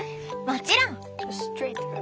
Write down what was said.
もちろん。